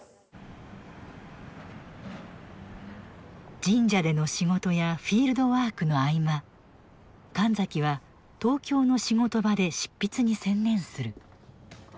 神社での仕事やフィールドワークの合間神崎は東京の仕事場で執筆に専念する。